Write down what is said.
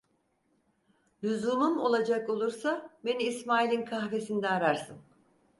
Lüzumum olacak olursa beni İsmail'in kahvesinde ararsın!